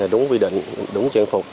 đúng quy định đúng trang phục